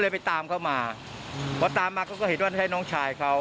พอตามเขามาก็เห็นว่าให้น้องชายเขา